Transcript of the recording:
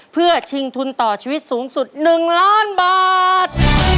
เพื่อชิงทุนต่อชีวิตสูงสุด๑ล้านบาท